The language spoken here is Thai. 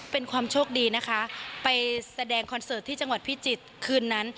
เป็นความโชคดีนะคะไปแสดงคอนเสิร์ตที่จังหวัดพิจิตรคืนนั้น